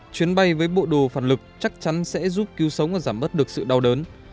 chuyến bay với bộ đồ phản lực chắc chắn sẽ giúp cứu sống và giảm bớt được sự đau đớn